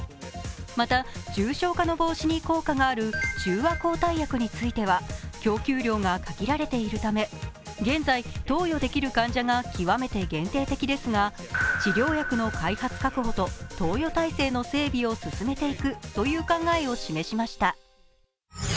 また、重症化の防止に効果がある中和抗体薬については、供給量が限られているため現在、投与できる患者が極めて限定的ですが治療薬の開発確保と投与体制の整備を進めていくという考えを示しました。